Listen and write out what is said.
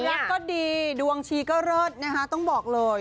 ความรักก็ดีดวงชีก็เริ่ดนะฮะต้องบอกเลย